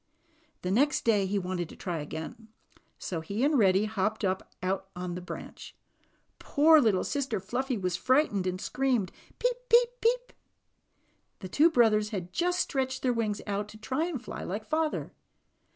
The next day he wanted to try again. So he and Reddy hopped up and out on the branch. Poor little sister Fluffy was fright ened and screamed, '^peep, peep, peep!" The two brothers had just stretched their wings out to "try to fly like father."